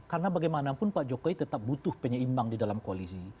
karena bagaimanapun pak jokowi tetap butuh penyeimbang di dalam koalisi